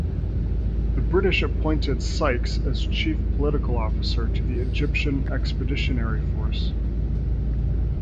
The British appointed Sykes as Chief Political Officer to the Egyptian Expeditionary Force.